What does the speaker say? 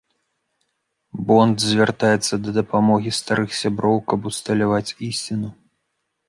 Бонд звяртаецца да дапамогі старых сяброў, каб усталяваць ісціну.